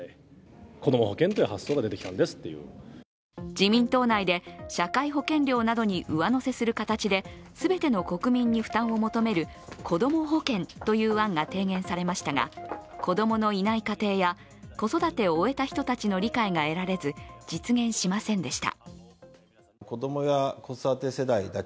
自民党内で社会保険料などに上乗せする形で全ての国民に負担を求めるこども保険という案が提言されましたが子供のいない家庭や子育てを終えた人たちの理解が得られず実現しませんでした。